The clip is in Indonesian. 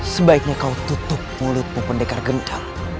sebaiknya kau tutup mulutmu pendekar gendang